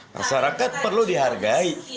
masyarakat perlu dihargai